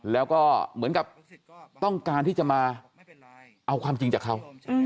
แล้วก็เหมือนกับต้องการที่จะมาเอาความจริงจากเขา